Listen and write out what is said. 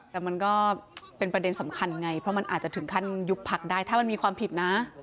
แต่มันก็เป็นประเด็นสำคัญไงเพราะมันอาจจะถึงขั้นยุบพักได้ถ้ามันมีความผิดนะ